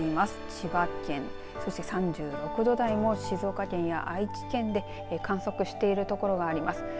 千葉県、そして３６度台も静岡県や愛知県で観測しているところがあります。